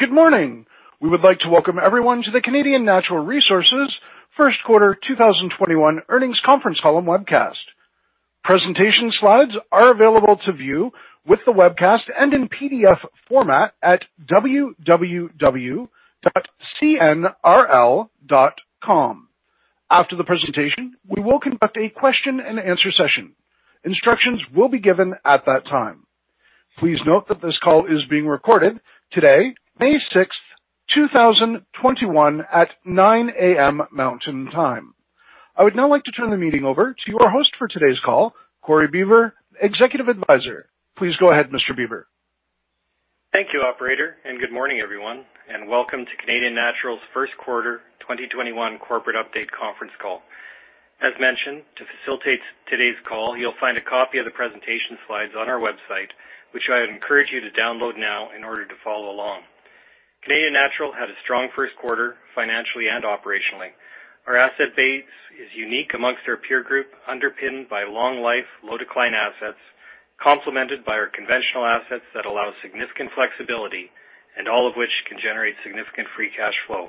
Good morning. We would like to welcome everyone to the Canadian Natural Resources first quarter 2021 earnings conference call and webcast. Presentation slides are available to view with the webcast and in PDF format at www.cnrl.com. After the presentation, we will conduct a question and answer session. Instructions will be given at that time. Please note that this call is being recorded today, May 6, 2021, at 9:00 A.M. Mountain Time. I would now like to turn the meeting over to our host for today's call, Corey Bieber, Executive Advisor. Please go ahead, Mr. Bieber. Thank you, operator, and good morning, everyone, and welcome to Canadian Natural's first quarter 2021 corporate update conference call. As mentioned, to facilitate today's call, you'll find a copy of the presentation slides on our website, which I would encourage you to download now in order to follow along. Canadian Natural had a strong first quarter, financially and operationally. Our asset base is unique amongst our peer group, underpinned by long life, low decline assets, complemented by our conventional assets that allow significant flexibility, and all of which can generate significant free cash flow.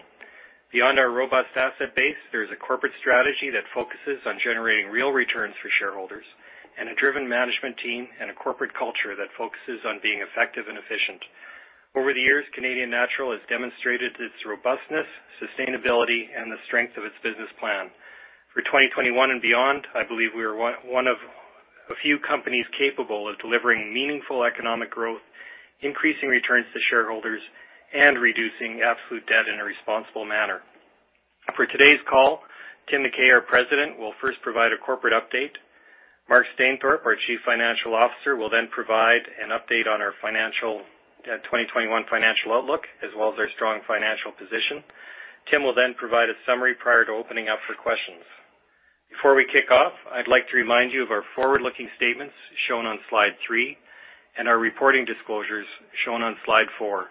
Beyond our robust asset base, there is a corporate strategy that focuses on generating real returns for shareholders and a driven management team and a corporate culture that focuses on being effective and efficient. Over the years, Canadian Natural has demonstrated its robustness, sustainability, and the strength of its business plan. For 2021 and beyond, I believe we are one of a few companies capable of delivering meaningful economic growth, increasing returns to shareholders, and reducing absolute debt in a responsible manner. For today's call, Tim McKay, our President, will first provide a corporate update. Mark Stainthorpe, our Chief Financial Officer, will provide an update on our 2021 financial outlook, as well as our strong financial position. Tim will provide a summary prior to opening up for questions. Before we kick off, I'd like to remind you of our forward-looking statements shown on slide three and our reporting disclosures shown on slide four.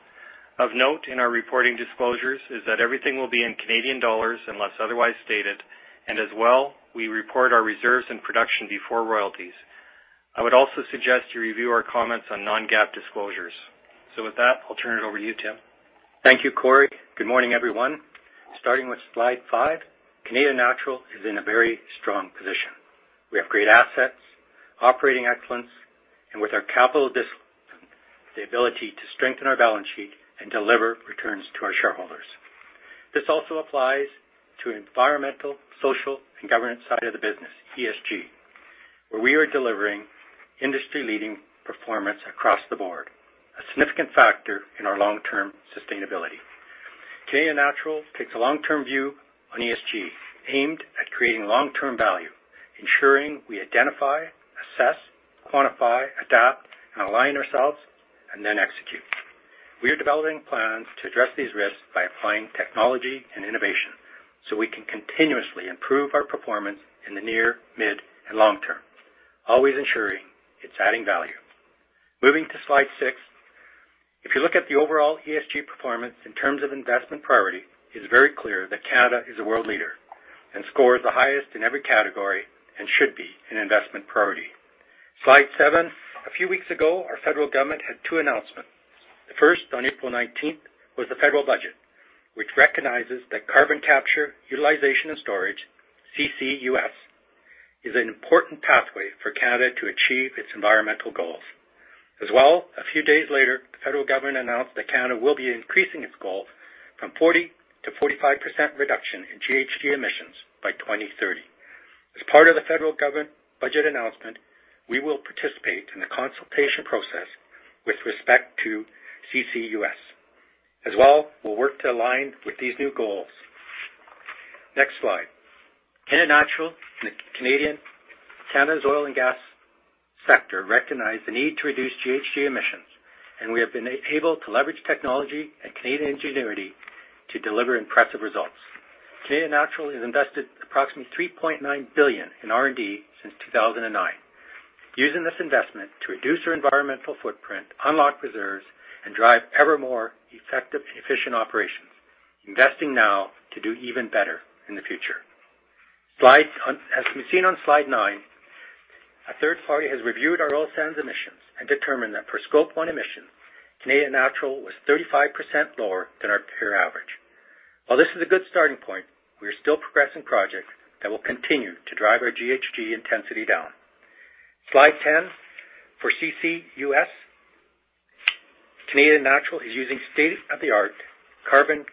Of note in our reporting disclosures is that everything will be in Canadian dollars unless otherwise stated, and as well, we report our reserves and production before royalties. I would also suggest you review our comments on non-GAAP disclosures. With that, I'll turn it over to you, Tim. Thank you, Corey. Good morning, everyone. Starting with slide five, Canadian Natural is in a very strong position. We have great assets, operating excellence, and with our capital discipline, the ability to strengthen our balance sheet and deliver returns to our shareholders. This also applies to environmental, social, and governance side of the business, ESG, where we are delivering industry-leading performance across the board, a significant factor in our long-term sustainability. Canadian Natural takes a long-term view on ESG, aimed at creating long-term value, ensuring we identify, assess, quantify, adapt, and align ourselves, and then execute. We are developing plans to address these risks by applying technology and innovation so we can continuously improve our performance in the near, mid, and long term, always ensuring it's adding value. Moving to slide six. If you look at the overall ESG performance in terms of investment priority, it's very clear that Canada is a world leader and scores the highest in every category and should be an investment priority. Slide seven. A few weeks ago, our federal government had two announcements. The first, on April 19th, was the federal budget, which recognizes that carbon capture, utilization, and storage, CCUS, is an important pathway for Canada to achieve its environmental goals. A few days later, the federal government announced that Canada will be increasing its goal from 40% to 45% reduction in GHG emissions by 2030. As part of the federal government budget announcement, we will participate in the consultation process with respect to CCUS. We'll work to align with these new goals. Next slide. Canadian Natural, Canada's oil and gas sector recognized the need to reduce GHG emissions. We have been able to leverage technology and Canadian ingenuity to deliver impressive results. Canadian Natural has invested approximately 3.9 billion in R&D since 2009, using this investment to reduce our environmental footprint, unlock reserves, and drive ever more effective and efficient operations, investing now to do even better in the future. As can be seen on slide nine, a third party has reviewed our oil sands emissions and determined that for Scope one emissions, Canadian Natural was 35% lower than our peer average. While this is a good starting point, we are still progressing projects that will continue to drive our GHG intensity down. Slide 10, for CCUS, Canadian Natural is using state-of-the-art carbon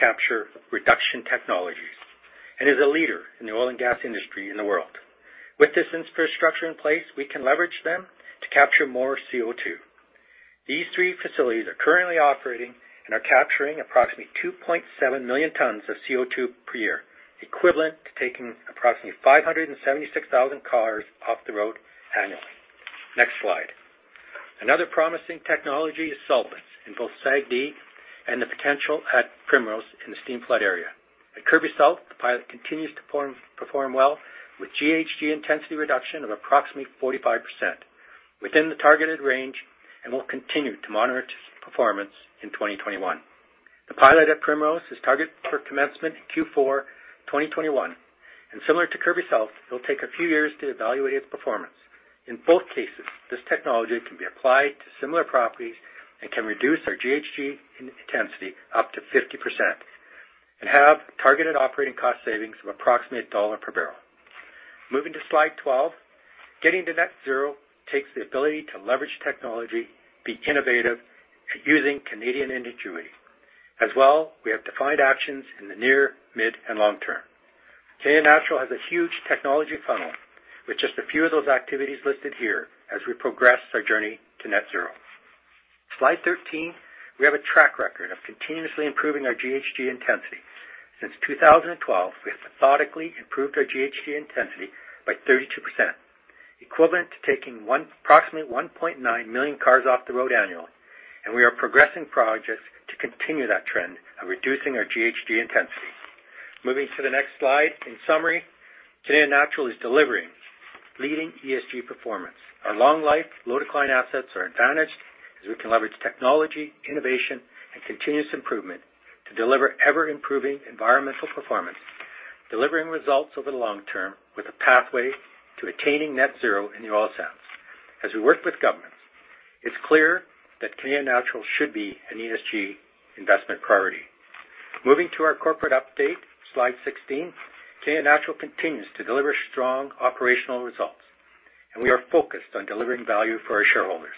capture reduction technologies and is a leader in the oil and gas industry in the world. With this infrastructure in place, we can leverage them to capture more CO2. These three facilities are currently operating and are capturing approximately 2.7 million tons of CO2 per year, equivalent to taking approximately 576,000 cars off the road annually. Next slide. Another promising technology is solvents in both SAGD and the potential at Primrose in the steam flood area. At Kirby South, the pilot continues to perform well with GHG intensity reduction of approximately 45%, within the targeted range, and we'll continue to monitor its performance in 2021. The pilot at Primrose is targeted for commencement in Q4 2021, and similar to Kirby South, it'll take a few years to evaluate its performance. In both cases, this technology can be applied to similar properties and can reduce our GHG intensity up to 50% and have targeted operating cost savings of approximately CAD 1 /bbl. Moving to slide 12. Getting to net zero takes the ability to leverage technology, be innovative, and using Canadian ingenuity. As well, we have defined actions in the near, mid, and long term. Canadian Natural has a huge technology funnel with just a few of those activities listed here as we progress our journey to net zero. Slide 13. We have a track record of continuously improving our GHG intensity. Since 2012, we have methodically improved our GHG intensity by 32%, equivalent to taking approximately 1.9 million cars off the road annually, and we are progressing projects to continue that trend of reducing our GHG intensity. Moving to the next slide. In summary, Canadian Natural is delivering leading ESG performance. Our long-life, low-decline assets are an advantage as we can leverage technology, innovation, and continuous improvement to deliver ever-improving environmental performance, delivering results over the long term with a pathway to attaining net zero in the oil sands. As we work with governments, it's clear that Canadian Natural should be an ESG investment priority. Moving to our corporate update, slide 16. Canadian Natural continues to deliver strong operational results, and we are focused on delivering value for our shareholders.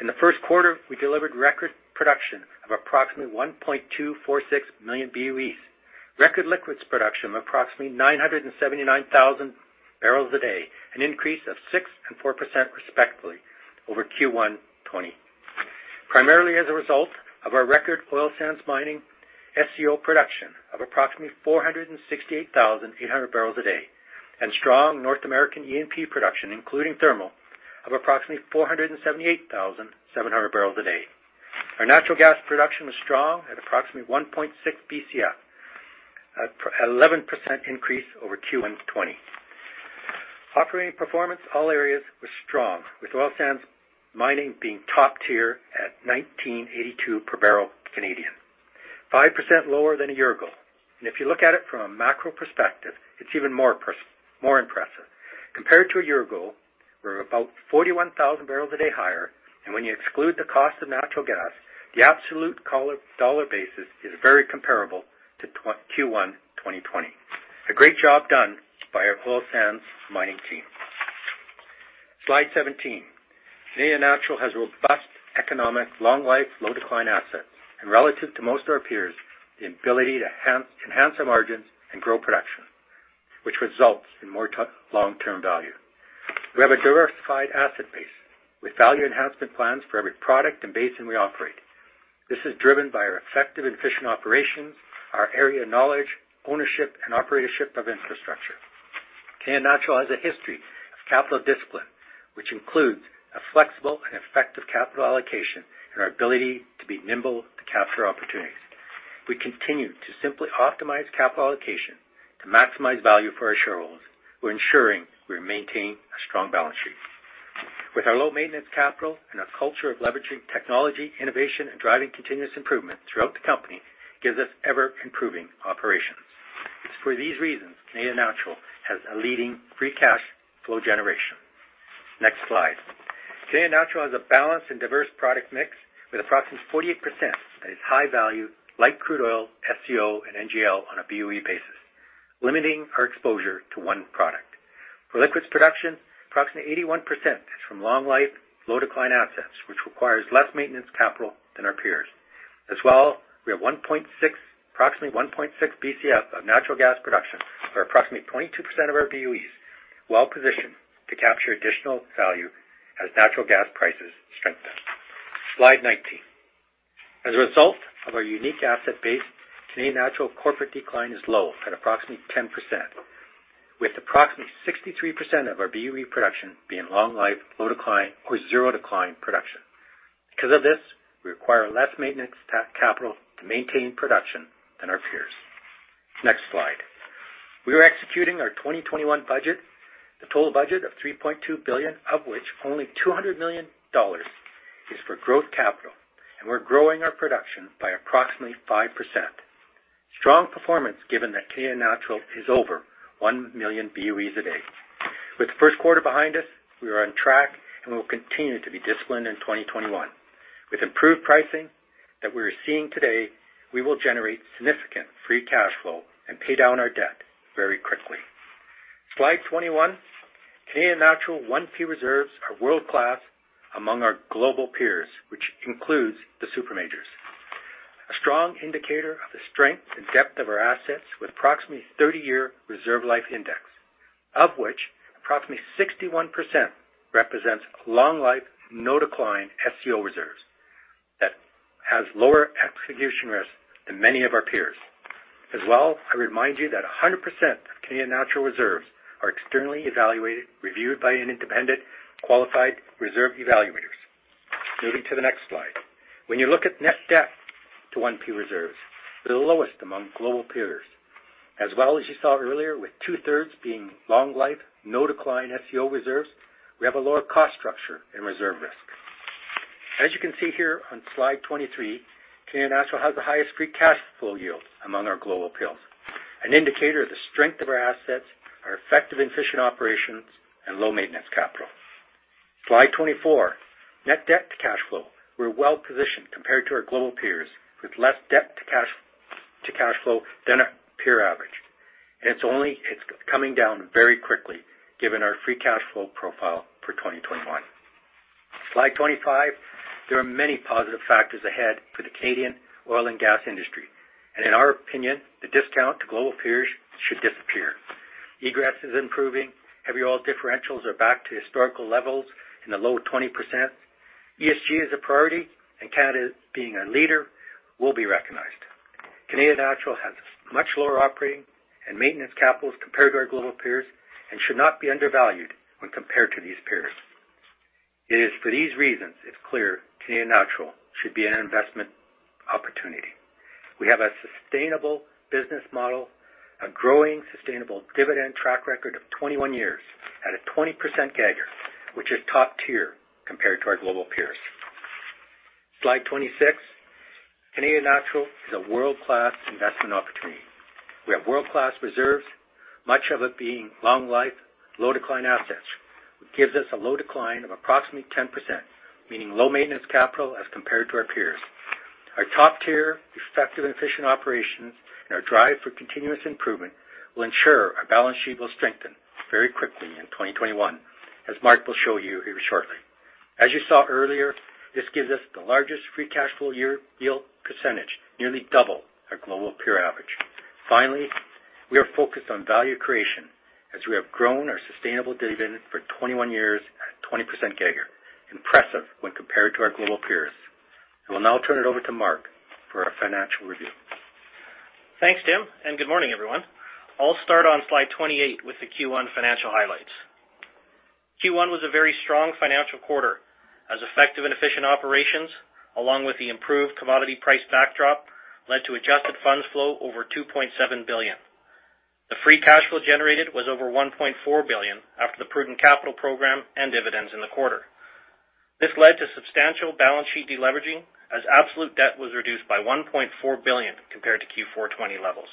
In the first quarter, we delivered record production of approximately 1.246 million BOEs, record liquids production of approximately 979,000 barrels a day, an increase of 6% and 4% respectively over Q1 2020. Primarily as a result of our record oil sands mining SCO production of approximately 468,800 barrels a day and strong North American E&P production, including thermal, of approximately 478,700 barrels a day. Our natural gas production was strong at approximately 1.6 Bcf, an 11% increase over Q1 2020. Operating performance all areas was strong, with oil sands mining being top tier at 19.82 per barrel, 5% lower than a year ago. If you look at it from a macro perspective, it's even more impressive. Compared to a year ago, we're about 41,000 barrels a day higher, and when you exclude the cost of natural gas, the absolute dollar basis is very comparable to Q1 2020. A great job done by our oil sands mining team. Slide 17. Canadian Natural has robust economic, long-life, low-decline assets, and relative to most of our peers, the ability to enhance our margins and grow production, which results in more long-term value. We have a diversified asset base with value enhancement plans for every product and basin we operate. This is driven by our effective and efficient operations, our area knowledge, ownership, and operatorship of infrastructure. Canadian Natural has a history of capital discipline, which includes a flexible and effective capital allocation and our ability to be nimble to capture opportunities. We continue to simply optimize capital allocation to maximize value for our shareholders, while ensuring we maintain a strong balance sheet. With our low maintenance capital and our culture of leveraging technology, innovation, and driving continuous improvement throughout the company gives us ever-improving operations. It's for these reasons Canadian Natural has a leading free cash flow generation. Next slide. Canadian Natural has a balanced and diverse product mix with approximately 48% that is high value, light crude oil, SCO, and NGL on a BOE basis, limiting our exposure to one product. For liquids production, approximately 81% is from long-life, low-decline assets, which requires less maintenance capital than our peers. As well, we have approximately 1.6 Bcf of natural gas production or approximately 22% of our BOEs, well-positioned to capture additional value as natural gas prices strengthen. Slide 19. As a result of our unique asset base, Canadian Natural corporate decline is low at approximately 10%, with approximately 63% of our BOE production being long-life, low-decline or zero-decline production. Because of this, we require less maintenance capital to maintain production than our peers. Next slide. We are executing our 2021 budget, the total budget of 3.2 billion, of which only 200 million dollars is for growth capital. We're growing our production by approximately 5%. Strong performance given that Canadian Natural is over 1 million BOEs a day. With the first quarter behind us, we are on track, and we will continue to be disciplined in 2021. With improved pricing that we are seeing today, we will generate significant free cash flow and pay down our debt very quickly. Slide 21. Canadian Natural 1P reserves are world-class among our global peers, which includes the super majors. A strong indicator of the strength and depth of our assets with approximately 30-year reserve life index. Of which, approximately 61% represents long-life, no-decline SCO reserves that has lower execution risk than many of our peers. As well, I remind you that 100% of Canadian Natural reserves are externally evaluated, reviewed by an independent, qualified reserve evaluators. Moving to the next slide. When you look at net debt to 1P reserves, we are the lowest among global peers. As well as you saw earlier with two-thirds being long life, no decline SCO reserves, we have a lower cost structure and reserve risk. As you can see here on slide 23, Canadian Natural has the highest free cash flow yield among our global peers, an indicator of the strength of our assets, our effective and efficient operations, and low maintenance capital. Slide 24, net debt to cash flow. We're well-positioned compared to our global peers with less debt to cash flow than our peer average. It's coming down very quickly given our free cash flow profile for 2021. Slide 25, there are many positive factors ahead for the Canadian oil and gas industry, and in our opinion, the discount to global peers should disappear. Egress is improving, heavy oil differentials are back to historical levels in the low 20%, ESG is a priority, and Canada being a leader will be recognized. Canadian Natural has much lower operating and maintenance capitals compared to our global peers and should not be undervalued when compared to these peers. It is for these reasons it's clear Canadian Natural should be an investment opportunity. We have a sustainable business model, a growing sustainable dividend track record of 21 years at a 20% CAGR, which is top tier compared to our global peers. Slide 26. Canadian Natural is a world-class investment opportunity. We have world-class reserves, much of it being long life, low decline assets, which gives us a low decline of approximately 10%, meaning low maintenance capital as compared to our peers. Our top-tier effective and efficient operations and our drive for continuous improvement will ensure our balance sheet will strengthen very quickly in 2021, as Mark will show you here shortly. As you saw earlier, this gives us the largest free cash flow yield percentage, nearly double our global peer average. Finally, we are focused on value creation as we have grown our sustainable dividend for 21 years at a 20% CAGR. Impressive when compared to our global peers. I will now turn it over to Mark for our financial review. Thanks, Tim, and good morning, everyone. I'll start on slide 28 with the Q1 financial highlights. Q1 was a very strong financial quarter as effective and efficient operations, along with the improved commodity price backdrop, led to adjusted funds flow over CAD 2.7 billion. The free cash flow generated was over CAD 1.4 billion after the prudent capital program and dividends in the quarter. This led to substantial balance sheet de-leveraging as absolute debt was reduced by 1.4 billion compared to Q4 2020 levels.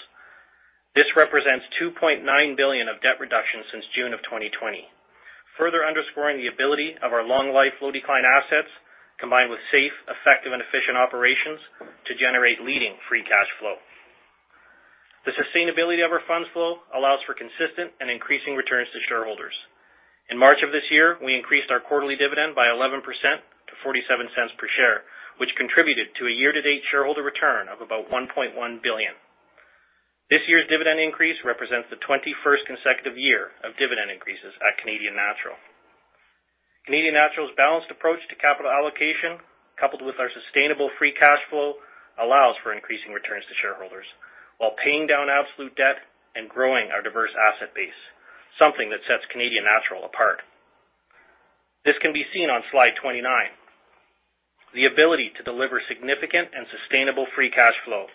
This represents 2.9 billion of debt reduction since June of 2020, further underscoring the ability of our long life, low decline assets, combined with safe, effective, and efficient operations to generate leading free cash flow. The sustainability of our funds flow allows for consistent and increasing returns to shareholders. In March of this year, we increased our quarterly dividend by 11% to 0.47 per share, which contributed to a year-to-date shareholder return of about 1.1 billion. This year's dividend increase represents the 21st consecutive year of dividend increases at Canadian Natural. Canadian Natural's balanced approach to capital allocation, coupled with our sustainable free cash flow, allows for increasing returns to shareholders while paying down absolute debt and growing our diverse asset base, something that sets Canadian Natural apart. This can be seen on slide 29, the ability to deliver significant and sustainable free cash flow.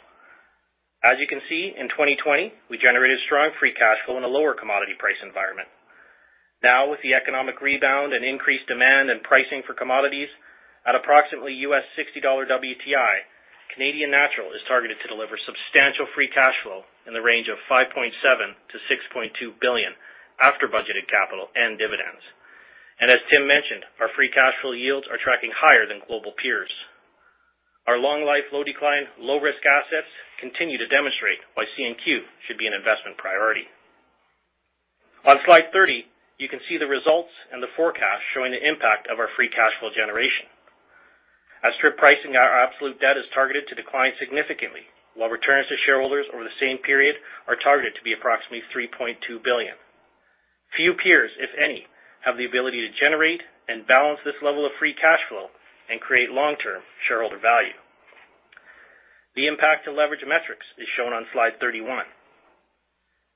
As you can see, in 2020, we generated strong free cash flow in a lower commodity price environment. Now, with the economic rebound and increased demand and pricing for commodities at approximately US $60 WTI, Canadian Natural is targeted to deliver substantial free cash flow in the range of 5.7 billion-6.2 billion after budgeted capital and dividends. As Tim mentioned, our free cash flow yields are tracking higher than global peers. Our long life, low decline, low risk assets continue to demonstrate why CNQ should be an investment priority. On slide 30, you can see the results and the forecast showing the impact of our free cash flow generation. As strip pricing our absolute debt is targeted to decline significantly, while returns to shareholders over the same period are targeted to be approximately 3.2 billion. Few peers, if any, have the ability to generate and balance this level of free cash flow and create long-term shareholder value. The impact to leverage metrics is shown on slide 31.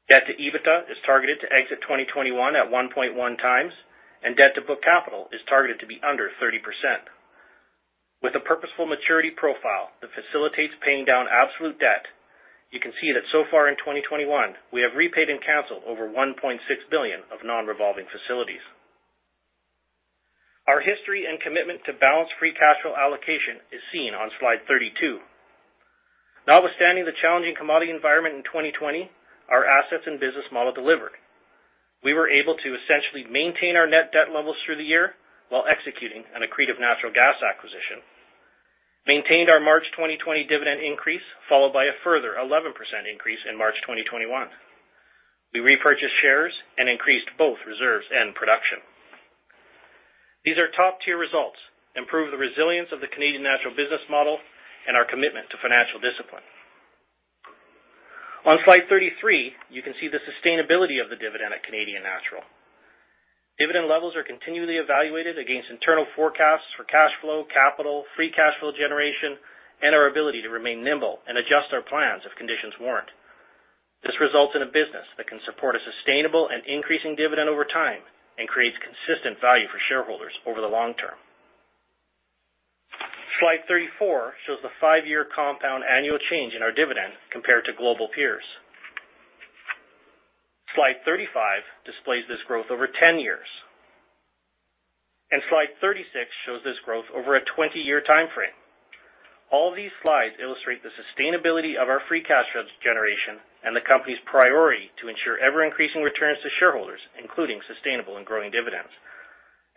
Debt to EBITDA is targeted to exit 2021 at 1.1 times. Debt to book capital is targeted to be under 30%. With a purposeful maturity profile that facilitates paying down absolute debt, you can see that so far in 2021, we have repaid and canceled over 1.6 billion of non-revolving facilities. Our history and commitment to balanced free cash flow allocation is seen on slide 32. Notwithstanding the challenging commodity environment in 2020, our assets and business model delivered. We were able to essentially maintain our net debt levels through the year while executing an accretive natural gas acquisition, maintained our March 2020 dividend increase, followed by a further 11% increase in March 2021. We repurchased shares and increased both reserves and production. These are top-tier results, improve the resilience of the Canadian Natural business model, and our commitment to financial discipline. On slide 33, you can see the sustainability of the dividend at Canadian Natural. Dividend levels are continually evaluated against internal forecasts for cash flow, capital, free cash flow generation, and our ability to remain nimble and adjust our plans if conditions warrant. This results in a business that can support a sustainable and increasing dividend over time and creates consistent value for shareholders over the long term. Slide 34 shows the five-year compound annual change in our dividend compared to global peers. Slide 35 displays this growth over 10 years, and slide 36 shows this growth over a 20-year timeframe. All these slides illustrate the sustainability of our free cash flows generation and the company's priority to ensure ever-increasing returns to shareholders, including sustainable and growing dividends,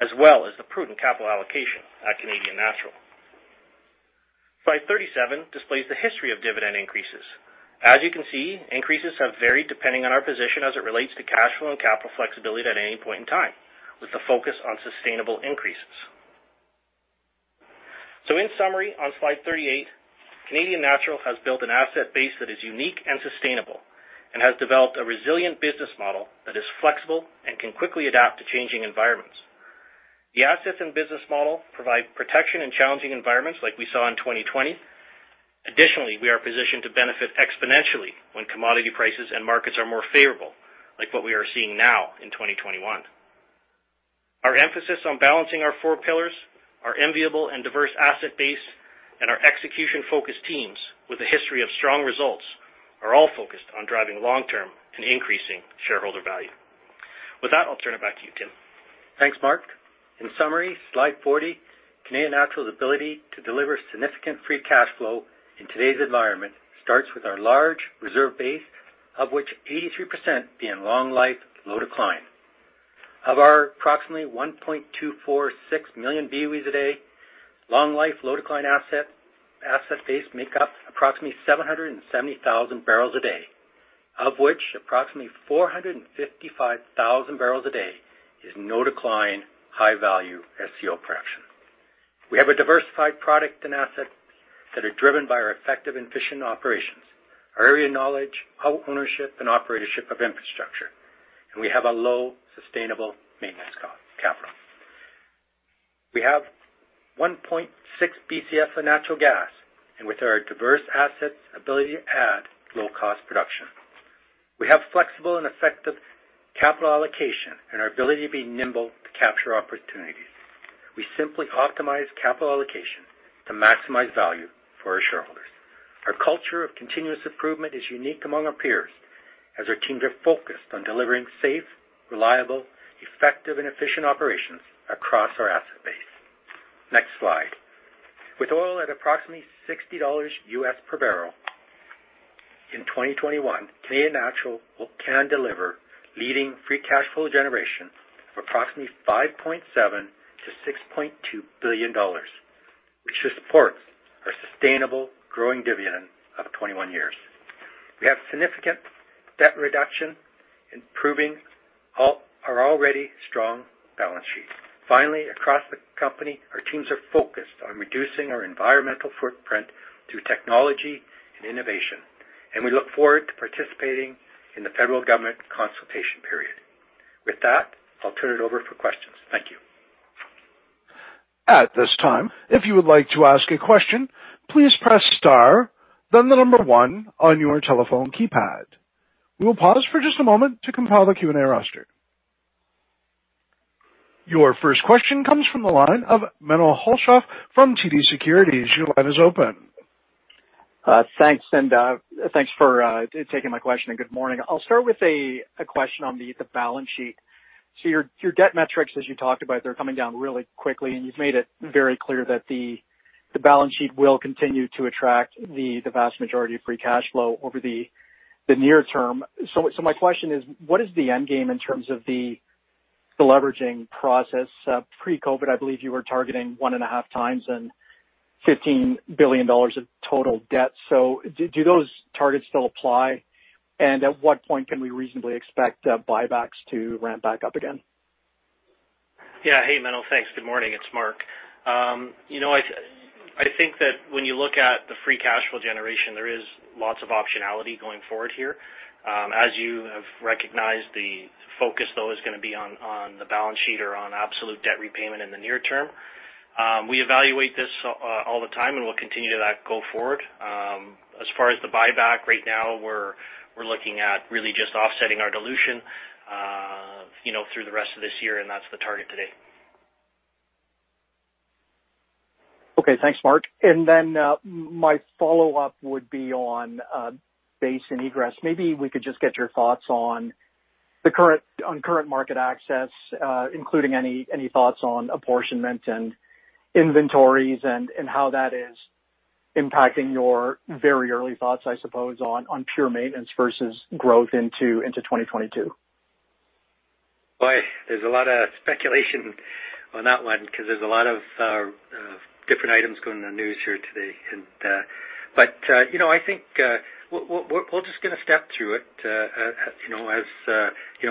as well as the prudent capital allocation at Canadian Natural. Slide 37 displays the history of dividend increases. As you can see, increases have varied depending on our position as it relates to cash flow and capital flexibility at any point in time, with the focus on sustainable increases. In summary, on slide 38, Canadian Natural has built an asset base that is unique and sustainable, and has developed a resilient business model that is flexible and can quickly adapt to changing environments. The assets and business model provide protection in challenging environments like we saw in 2020. Additionally, we are positioned to benefit exponentially when commodity prices and markets are more favorable, like what we are seeing now in 2021. Our emphasis on balancing our four pillars, our enviable and diverse asset base, and our execution-focused teams with a history of strong results are all focused on driving long-term and increasing shareholder value. With that, I'll turn it back to you, Tim. Thanks, Mark. In summary, slide 40, Canadian Natural's ability to deliver significant free cash flow in today's environment starts with our large reserve base, of which 83% being long life, low decline. Of our approximately 1.246 million BOEs a day, long life, low decline asset base make up approximately 770,000 barrels a day, of which approximately 455,000 barrels a day is no-decline, high-value SCO fraction. We have a diversified product and asset that are driven by our effective and efficient operations, our area knowledge, our ownership and operatorship of infrastructure, and we have a low sustainable maintenance cost capital. We have 1.6 Bcf of natural gas, and with our diverse assets, ability to add low cost production. We have flexible and effective capital allocation and our ability to be nimble to capture opportunities. We simply optimize capital allocation to maximize value for our shareholders. Our culture of continuous improvement is unique among our peers, as our teams are focused on delivering safe, reliable, effective, and efficient operations across our asset base. Next slide. With oil at approximately $60 USD/bbl in 2021, Canadian Natural can deliver leading free cash flow generation of approximately 5.7 billion-6.2 billion dollars, which supports our sustainable growing dividend of 21 years. We have significant debt reduction, improving our already strong balance sheet. Finally, across the company, our teams are focused on reducing our environmental footprint through technology and innovation, and we look forward to participating in the federal government consultation period. With that, I'll turn it over for questions. Thank you. At this time, if you would like to ask a question, please press star, then the number one on your telephone keypad. We will pause for just a moment to compile the Q&A roster. Your first question comes from the line of Menno Hulshof from TD Securities. Your line is open. Thanks, thanks for taking my question, and good morning. I'll start with a question on the balance sheet. Your debt metrics, as you talked about, they're coming down really quickly, and you've made it very clear that the balance sheet will continue to attract the vast majority of free cash flow over the near term. My question is, what is the end game in terms of the leveraging process? Pre-COVID, I believe you were targeting 1.5 times and 15 billion dollars of total debt. Do those targets still apply? At what point can we reasonably expect buybacks to ramp back up again? Yeah. Hey, Menno. Thanks. Good morning. It's Mark. I think that when you look at the free cash flow generation, there is lots of optionality going forward here. As you have recognized, the focus, though, is gonna be on the balance sheet or on absolute debt repayment in the near term. We evaluate this all the time, and we'll continue to that go forward. As far as the buyback, right now, we're looking at really just offsetting our dilution through the rest of this year, and that's the target today. Okay. Thanks, Mark. My follow-up would be on base and egress. Maybe we could just get your thoughts on current market access, including any thoughts on apportionment and inventories and how that is impacting your very early thoughts, I suppose, on pure maintenance versus growth into 2022. Boy, there's a lot of speculation on that one because there's a lot of different items going in the news here today. I think we're just gonna step through it.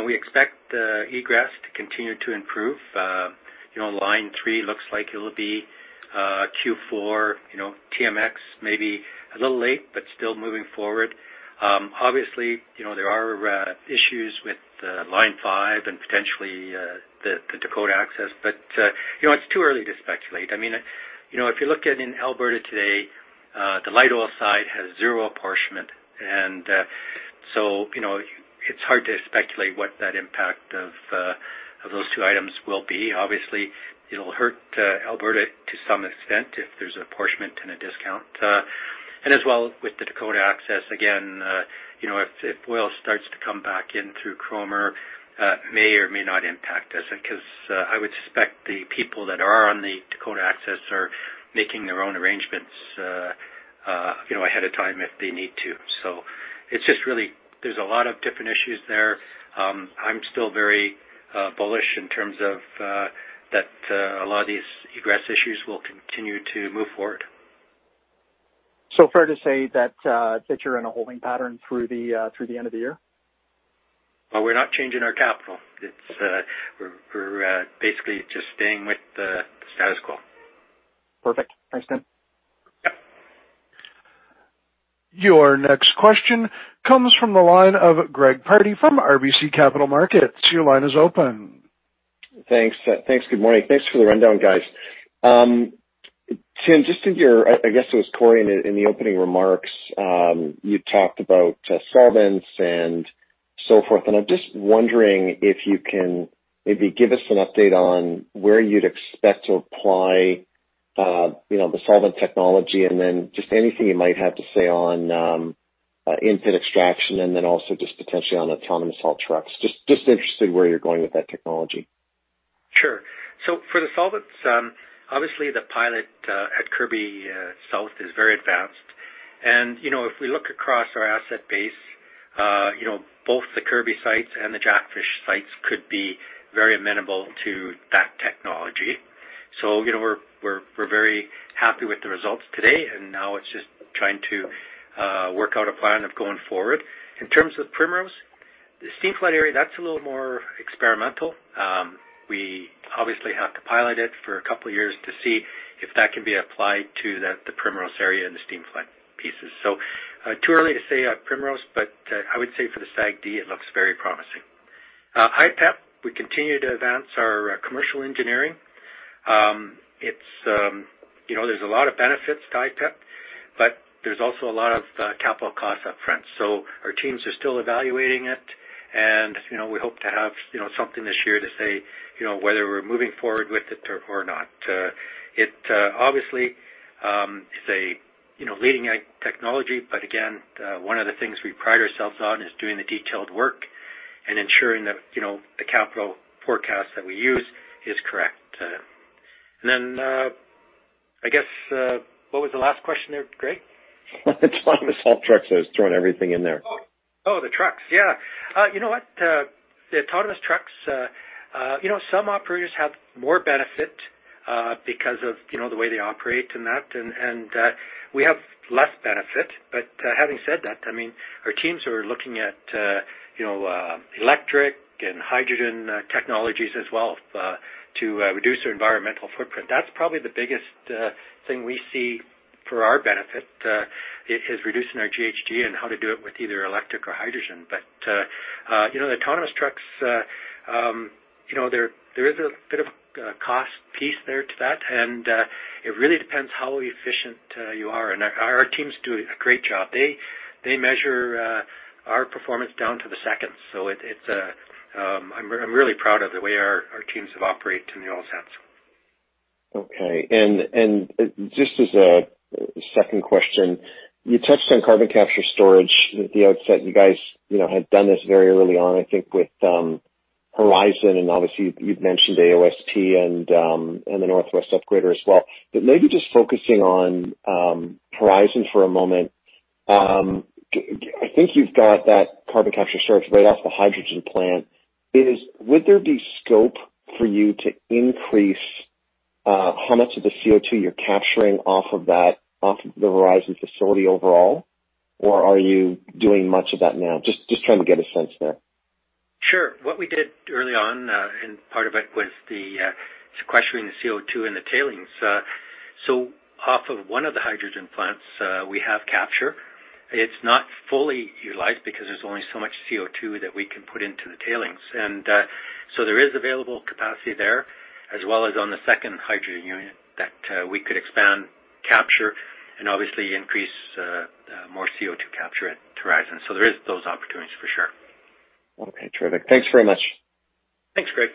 We expect egress to continue to improve. Line 3 looks like it'll be Q4. TMX may be a little late, but still moving forward. Obviously, there are issues with Line 5 and potentially the Dakota Access. It's too early to speculate. If you look at in Alberta today, the light oil side has zero apportionment. It's hard to speculate what that impact of those two items will be. Obviously, it'll hurt Alberta to some extent if there's a apportionment and a discount. As well, with the Dakota Access, again, if oil starts to come back in through Cromer, may or may not impact us because I would suspect the people that are on the Dakota Access are making their own arrangements ahead of time if they need to. It's just really There's a lot of different issues there. I'm still very bullish in terms of that a lot of these egress issues will continue to move forward. Fair to say that you're in a holding pattern through the end of the year? Well, we're not changing our capital. We're basically just staying with the status quo. Perfect. Thanks, Tim. Yep. Your next question comes from the line of Greg Pardy from RBC Capital Markets. Your line is open. Thanks. Good morning. Thanks for the rundown, guys. Tim, I guess it was Corey in the opening remarks, you talked about solvents and so forth, and I'm just wondering if you can maybe give us an update on where you'd expect to apply the solvent technology, and then just anything you might have to say on in-situ extraction, and then also just potentially on autonomous haul trucks. Just interested where you're going with that technology. Sure. For the solvents, obviously the pilot at Kirby South is very advanced. If we look across our asset base, both the Kirby sites and the Jackfish sites could be very amenable to that technology. We're very happy with the results today, and now it's just trying to work out a plan of going forward. In terms of Primrose, the steam flood area, that's a little more experimental. We obviously have to pilot it for a couple of years to see if that can be applied to the Primrose area and the steam flood pieces. Too early to say at Primrose, but I would say for the SAGD, it looks very promising. IPEP, we continue to advance our commercial engineering. There's a lot of benefits to IPEP, but there's also a lot of capital cost up front. Our teams are still evaluating it, and we hope to have something this year to say whether we're moving forward with it or not. It obviously is a leading technology, but again, one of the things we pride ourselves on is doing the detailed work and ensuring that the capital forecast that we use is correct. I guess, what was the last question there, Greg? The autonomous haul trucks. I was throwing everything in there. Oh, the trucks. Yeah. You know what? The autonomous trucks, some operators have more benefit because of the way they operate and that, and we have less benefit. Having said that, our teams are looking at electric and hydrogen technologies as well to reduce their environmental footprint. That's probably the biggest thing we see for our benefit, is reducing our GHG and how to do it with either electric or hydrogen. The autonomous trucks, there is a bit of a cost piece there to that, and it really depends how efficient you are, and our teams do a great job. They measure our performance down to the second. I'm really proud of the way our teams have operated in the oil sands. Okay. Just as a second question, you touched on carbon capture storage at the outset. You guys had done this very early on, I think with Horizon, and obviously you've mentioned AOSP and the Northwest Upgrader as well. Maybe just focusing on Horizon for a moment. I think you've got that carbon capture storage right off the hydrogen plant. Would there be scope for you to increase how much of the CO2 you're capturing off of the Horizon facility overall, or are you doing much of that now? Just trying to get a sense there. Sure. What we did early on, part of it was the sequestering the CO2 in the tailings. Off of one of the hydrogen plants, we have capture. It's not fully utilized because there's only so much CO2 that we can put into the tailings. There is available capacity there as well as on the second hydrogen unit that we could expand capture and obviously increase more CO2 capture at Horizon. There is those opportunities for sure. Okay, terrific. Thanks very much. Thanks, Greg.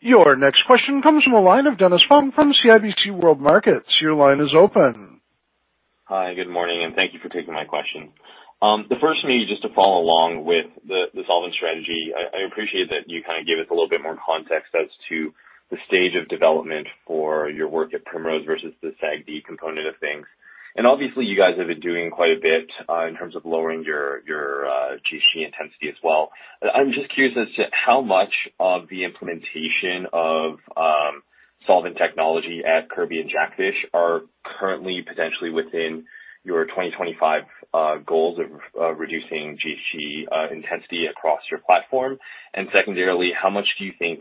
Your next question comes from the line of Dennis Fong from CIBC Capital Markets. Your line is open. Hi, good morning. Thank you for taking my question. The first for me, just to follow along with the solvent strategy. I appreciate that you kind of gave us a little bit more context as to the stage of development for your work at Primrose versus the SAGD component of things. Obviously you guys have been doing quite a bit in terms of lowering your GHG intensity as well. I'm just curious as to how much of the implementation of solvent technology at Kirby and Jackfish are currently potentially within your 2025 goals of reducing GHG intensity across your platform. Secondarily, how much do you think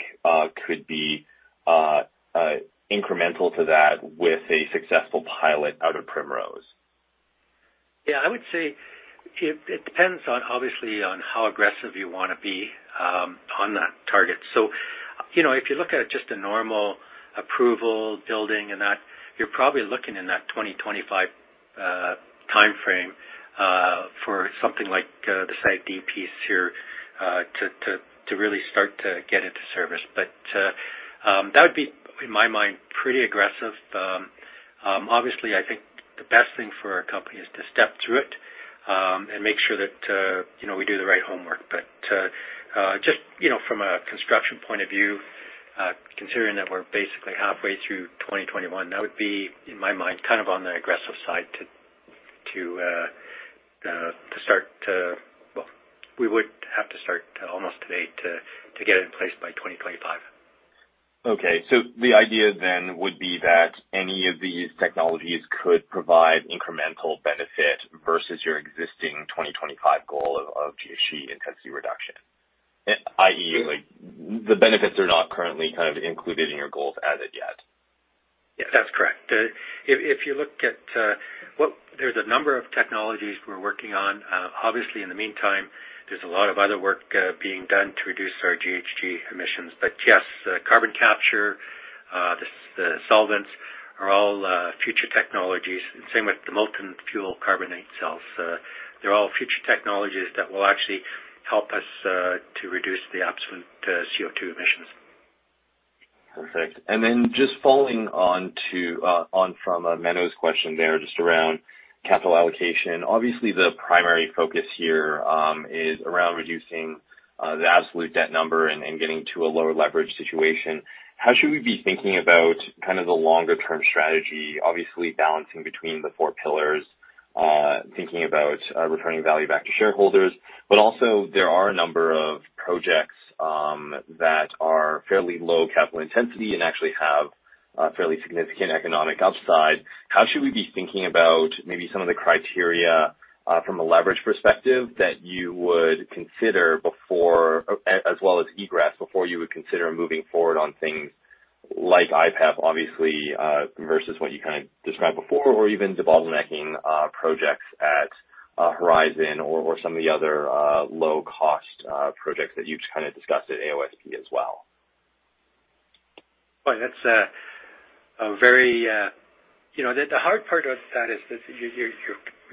could be incremental to that with a successful pilot out of Primrose? Yeah, I would say it depends obviously on how aggressive you want to be on that target. If you look at just a normal approval building and that, you're probably looking n that 2025 timeframe for something like the Site D piece here to really start to get into service. That would be, in my mind, pretty aggressive. Obviously, I think the best thing for our company is to step through it, and make sure that we do the right homework. Just from a construction point of view, considering that we're basically halfway through 2021, that would be, in my mind, on the aggressive side to start. Well, we would have to start almost today to get it in place by 2025. The idea then would be that any of these technologies could provide incremental benefit versus your existing 2025 goal of GHG intensity reduction. I.e., the benefits are not currently included in your goals as of yet. Yes, that's correct. There's a number of technologies we're working on. Obviously, in the meantime, there's a lot of other work being done to reduce our GHG emissions. Yes, carbon capture, the solvents are all future technologies. Same with the molten carbonate fuel cells. They're all future technologies that will actually help us to reduce the absolute CO2 emissions. Perfect. Just following on from Menno's question there, just around capital allocation. Obviously, the primary focus here is around reducing the absolute debt number and getting to a lower leverage situation. How should we be thinking about the longer-term strategy, obviously balancing between the four pillars, thinking about returning value back to shareholders? Also, there are a number of projects that are fairly low capital intensity and actually have fairly significant economic upside. How should we be thinking about maybe some of the criteria, from a leverage perspective, as well as EGRESS, before you would consider moving forward on things like IPEP, obviously, versus what you described before, or even de-bottlenecking projects at Horizon or some of the other low-cost projects that you've discussed at AOSP as well? Boy, the hard part of that is that you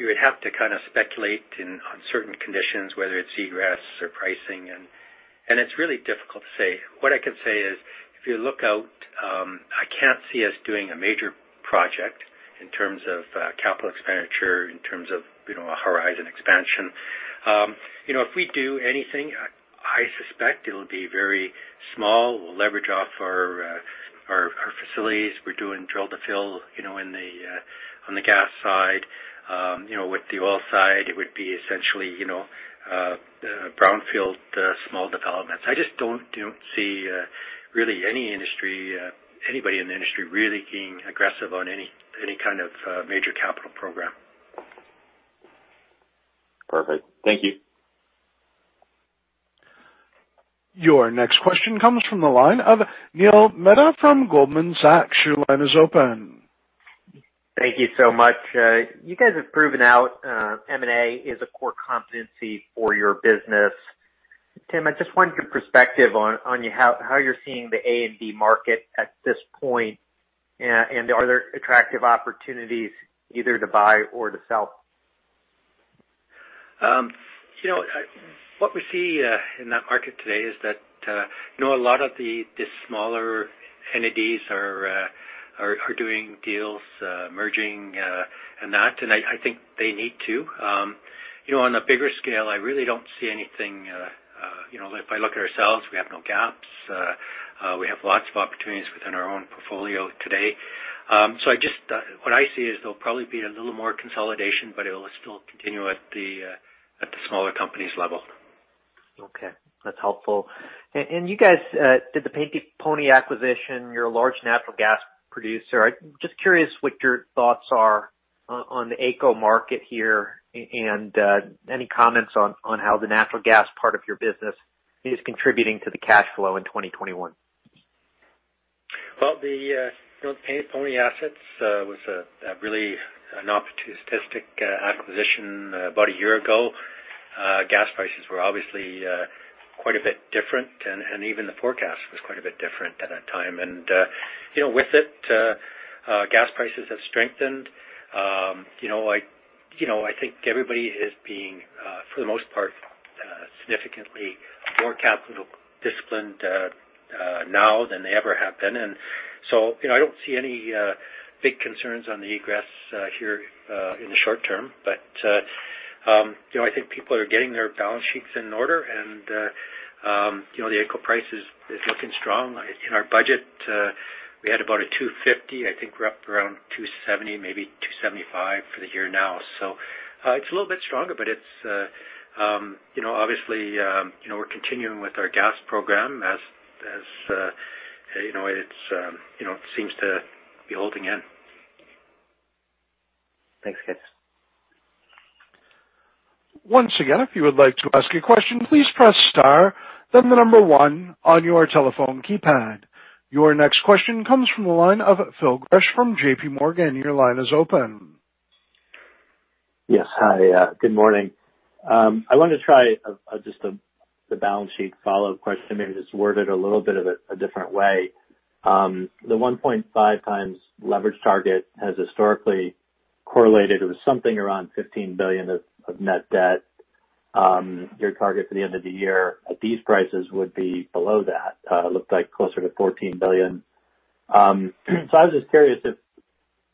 would have to speculate on certain conditions, whether it's EGRESS or pricing, and it's really difficult to say. What I can say is, if you look out, I can't see us doing a major project in terms of capital expenditure, in terms of a horizon expansion. If we do anything, I suspect it'll be very small. We'll leverage off our facilities. We're doing drill to fill on the gas side. With the oil side, it would be essentially brownfield small developments. I just don't see anybody in the industry really being aggressive on any kind of major capital program. Perfect. Thank you. Your next question comes from the line of Neil Mehta from Goldman Sachs. Your line is open. Thank you so much. You guys have proven out M&A is a core competency for your business. Tim, I just wanted your perspective on how you're seeing the A&D market at this point. Are there attractive opportunities either to buy or to sell? What we see in that market today is that a lot of the smaller entities are doing deals, merging, and that, and I think they need to. On a bigger scale, I really don't see anything. If I look at ourselves, we have no gaps. We have lots of opportunities within our own portfolio today. What I see is there'll probably be a little more consolidation, but it will still continue at the smaller companies level. Okay. That's helpful. You guys did the Painted Pony acquisition. You're a large natural gas producer. I'm just curious what your thoughts are on the AECO market here, and any comments on how the natural gas part of your business is contributing to the cash flow in 2021. Well, the Painted Pony assets was really an opportunistic acquisition about a year ago. Gas prices were obviously quite a bit different, and even the forecast was quite a bit different at that time. With it, gas prices have strengthened. I think everybody is being, for the most part, significantly more capital disciplined now than they ever have been. I don't see any big concerns on the egress here in the short term. I think people are getting their balance sheets in order, and the AECO price is looking strong. In our budget, we had about a 250. I think we're up around 270, maybe 275 for the year now. It's a little bit stronger, but obviously, we're continuing with our gas program as it seems to be holding in. Thanks, guys. Once again, if you would like to ask a question, please press star, then the number 1 on your telephone keypad. Your next question comes from the line of Phil Gresh from JPMorgan. Your line is open. Yes. Hi, good morning. I wanted to try just the balance sheet follow-up question, maybe just word it a little bit of a different way. The 1.5x leverage target has historically correlated with something around 15 billion of net debt. Your target for the end of the year at these prices would be below that. It looked like closer to 14 billion. I was just curious,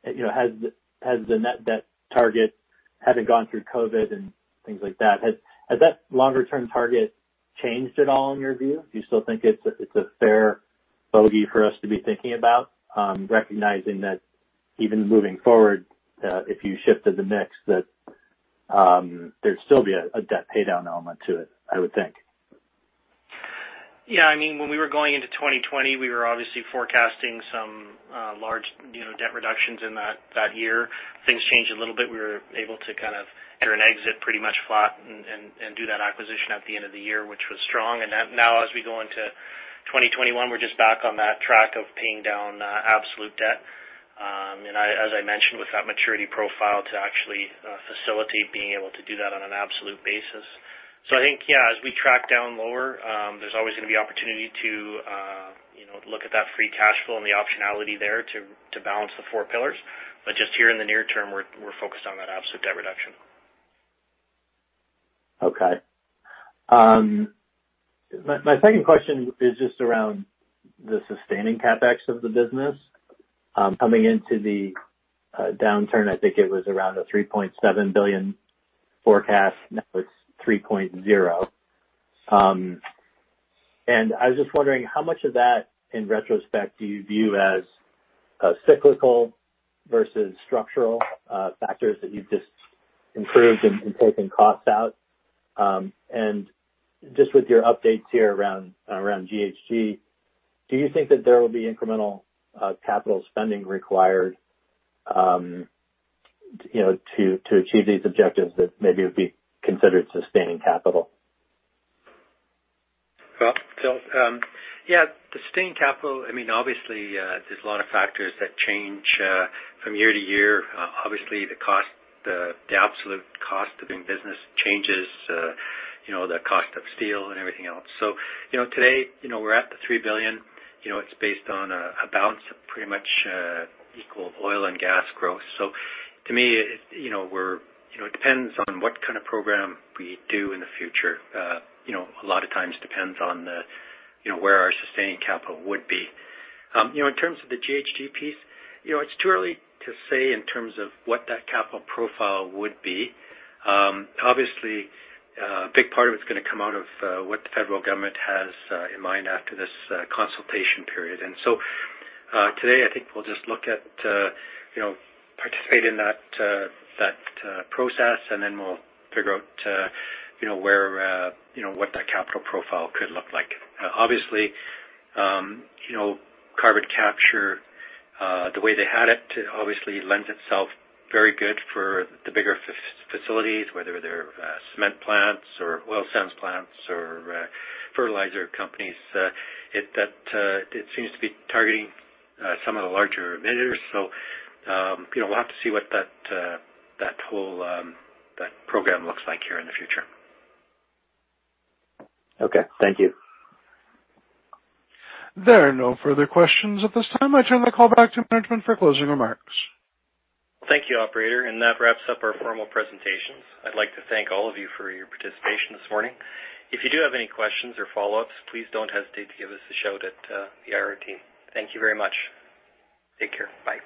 has the net debt target, having gone through COVID and things like that, has that longer-term target changed at all in your view? Do you still think it's a fair bogey for us to be thinking about? Recognizing that even moving forward, if you shifted the mix, that there'd still be a debt pay down element to it, I would think. Yeah, when we were going into 2020, we were obviously forecasting some large debt reductions in that year. Things changed a little bit. We were able to kind of enter and exit pretty much flat and do that acquisition at the end of the year, which was strong. Now as we go into 2021, we're just back on that track of paying down absolute debt. As I mentioned, with that maturity profile to actually facilitate being able to do that on an absolute basis. I think, yeah, as we track down lower, there's always going to be opportunity to look at that free cash flow and the optionality there to balance the four pillars. Just here in the near term, we're focused on that absolute debt reduction. Okay. My second question is just around the sustaining CapEx of the business. Coming into the downturn, I think it was around a 3.7 billion forecast, now it's 3.0 billion. I was just wondering how much of that in retrospect do you view as cyclical versus structural factors that you've just improved in taking costs out? Just with your updates here around GHG, do you think that there will be incremental capital spending required to achieve these objectives that maybe would be considered sustaining capital? Yeah. Sustaining capital, obviously, there's a lot of factors that change from year to year. Obviously, the absolute cost of doing business changes, the cost of steel and everything else. Today, we're at the 3 billion. It's based on a balance of pretty much equal oil and gas growth. To me, it depends on what kind of program we do in the future. A lot of times depends on where our sustaining capital would be. In terms of the GHG piece, it's too early to say in terms of what that capital profile would be. Obviously, a big part of it's going to come out of what the federal government has in mind after this consultation period. Today, I think we'll just participate in that process, and then we'll figure out what that capital profile could look like. Obviously, carbon capture, the way they had it obviously lends itself very good for the bigger facilities, whether they're cement plants or oil sands plants or fertilizer companies. It seems to be targeting some of the larger emitters. We'll have to see what that whole program looks like here in the future. Okay. Thank you. There are no further questions at this time. I turn the call back to management for closing remarks. Thank you, operator. That wraps up our formal presentations. I'd like to thank all of you for your participation this morning. If you do have any questions or follow-ups, please don't hesitate to give us a shout at the IR team. Thank you very much. Take care. Bye.